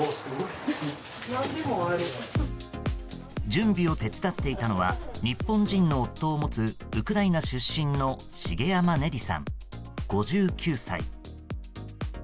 準備を手伝っていたのは日本人の夫を持つウクライナ出身の重山ネリさん、５９歳。